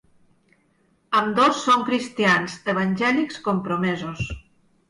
Ambdós són cristians evangèlics compromesos.